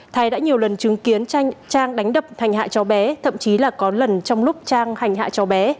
thái đã nhiều lần chứng kiến trang đánh đập hành hạ chó bé thậm chí là có lần trong lúc trang hành hạ chó bé